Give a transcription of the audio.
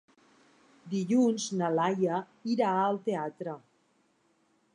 Dilluns na Laia irà al teatre.